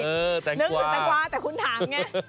นึกว่าแต้งกวาแต่คนถังนะ